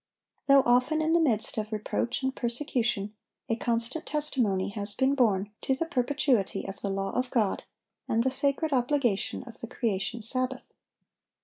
Though often in the midst of reproach and persecution, a constant testimony has been borne to the perpetuity of the law of God, and the sacred obligation of the creation Sabbath.